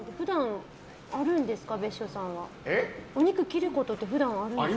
お肉切ることって普段、あるんですか？